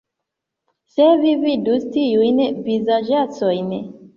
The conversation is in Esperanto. Se Vi vidus tiujn vizaĝaĉojn!